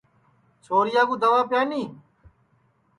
چھوریا کُو دئوا پیانی